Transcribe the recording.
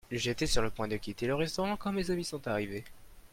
J'étais sur le point de quitter le restaurant quand mes amis sont arrivés.